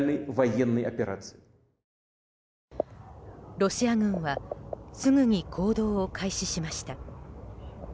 ロシア軍はすぐに行動を開始しました。